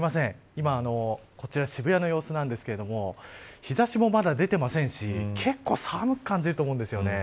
今、こちら渋谷の様子なんですけれども日差しもまだ出てませんし結構、寒く感じると思うんですよね。